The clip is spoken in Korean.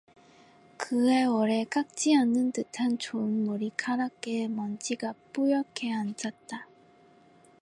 그의 오래 깎지 않은 듯한 좋은 머리카락에 먼지가 뿌옇게 앉았다.